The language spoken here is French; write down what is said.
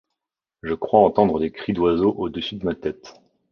je crois entendre des cris d’oiseaux au-dessus de ma tête.